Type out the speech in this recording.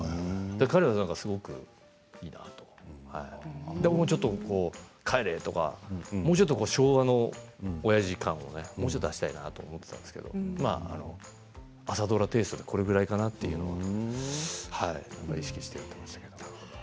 彼は、すごくだからいいなと思ってだから帰れとか昭和のをおやじ感をもうちょっと足したいなと思っていたんですけど朝ドラテーストでこれぐらいかなというのを意識してやっていました。